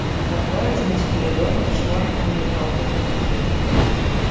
Тогда один из хулиганов шваркнул её палкой по ноге.